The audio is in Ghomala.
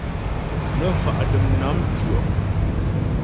Nə́ fa' dəm nám ntʉɔ.